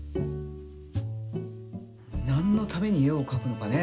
なんのために絵をかくのかね。